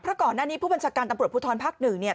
เข้าก่อนหน้านี้ผู้บัญชการตำรวจฟูทรภ๑เนี่ย